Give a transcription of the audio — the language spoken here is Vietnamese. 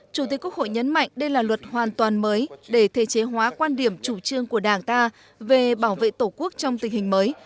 chủ tịch quốc hội nhấn mạnh đây là luật hoàn toàn mới để thể chế hóa quan điểm chủ trương của đảng ta về bảo vệ tổ quốc trong tình hình mới